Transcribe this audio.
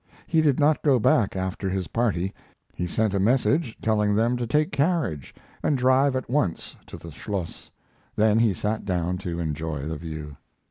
He did not go back after his party. He sent a message telling them to take carriage and drive at once to the Schloss, then he sat down to enjoy the view.